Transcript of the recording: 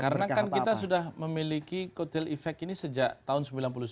karena kan kita sudah memiliki kutil efek ini sejak tahun sembilan puluh sembilan